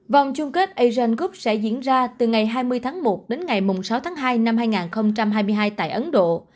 vòng chung kết asian gub sẽ diễn ra từ ngày hai mươi tháng một đến ngày sáu tháng hai năm hai nghìn hai mươi hai tại ấn độ